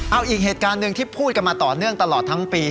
เอาอีกเหตุการณ์หนึ่งที่พูดกันมาต่อเนื่องตลอดทั้งปี